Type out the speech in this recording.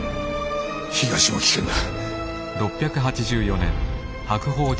東も危険だ。